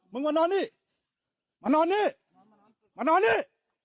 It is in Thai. มานอนนี่มานอนนี่มานอนนี่